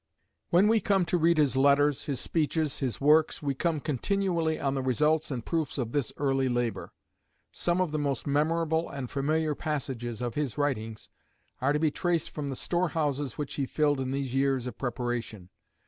When we come to read his letters, his speeches, his works, we come continually on the results and proofs of this early labour. Some of the most memorable and familiar passages of his writings are to be traced from the storehouses which he filled in these years of preparation.